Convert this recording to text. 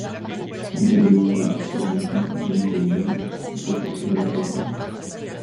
L'idéologie et l'histoire mythique du dinkoisme s'est étoffé avec le temps.